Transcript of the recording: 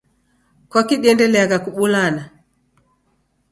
Kwaki diendeliagha kubulana?